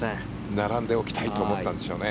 並んでおきたいと思ったんでしょうね。